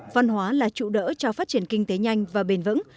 văn hóa là trụ đỡ cho phát triển kinh tế nhanh và bền vững